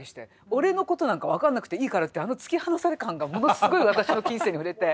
「俺のことなんか分かんなくていいから」ってあの突き放され感がものすごい私の琴線に触れて。